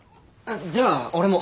じゃあ俺も。